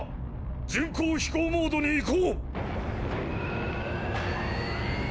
巡航飛行モードに移行。